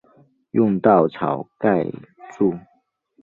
用稻草盖著